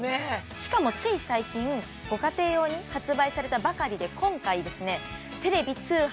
しかもつい最近ご家庭用に発売されたばかりで今回テレビ通販